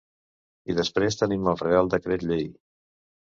I després tenim el reial decret llei.